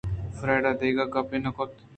فریڈاءَ دگہ گپ نہ کُت